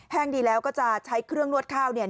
ดีแล้วก็จะใช้เครื่องนวดข้าวเนี่ย